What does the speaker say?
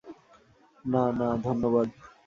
না, না, ধন্যবাদ।